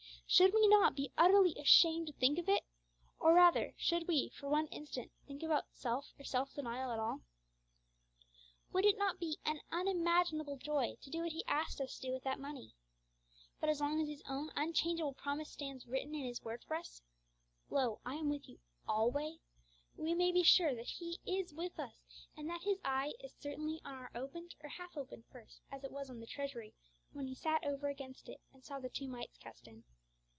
Should we not be utterly ashamed to think of it? or rather, should we, for one instant, think about self or self denial at all? Would it not be an unimaginable joy to do what He asked us to do with that money? But as long as His own unchangeable promise stands written in His word for us, 'Lo, I am with you alway,' we may be sure that He is with us, and that His eye is as certainly on our opened or half opened purse as it was on the treasury, when He sat over against it and saw the two mites cast in.